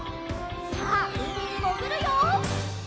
さあうみにもぐるよ！